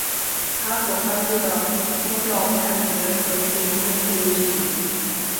他所颁布的宗教判决准许由穆斯林执行。